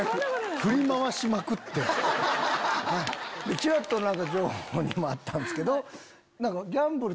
ちらっと情報にもあったんすけど。